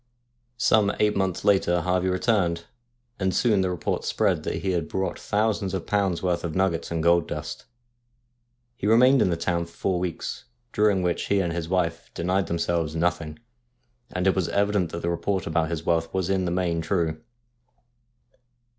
Some eight months later Harvey returned, and soon the report spread that he had brought thousands of pounds' Worth of nuggets and gold dust. He remained in the town for four weeks, during which he and his wife denied them selves nothing, and it was evident that the report about his wealth was in the main true.